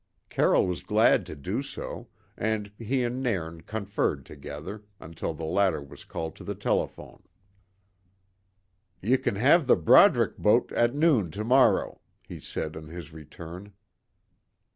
Carroll was glad to do so, and he and Nairn conferred together, until the latter was called to the telephone. "Ye can have the Brodick boat at noon to morrow," he said on his return.